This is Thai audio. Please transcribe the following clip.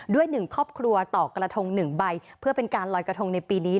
๑ครอบครัวต่อกระทง๑ใบเพื่อเป็นการลอยกระทงในปีนี้